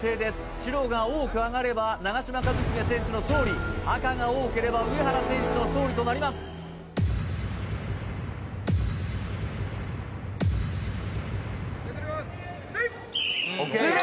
白が多くあがれば長嶋一茂選手の勝利赤が多ければ上原選手の勝利となります判定とります